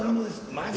マジ